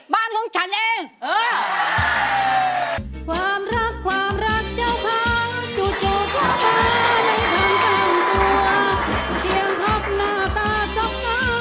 บ้านของใครบ้านของฉันเอง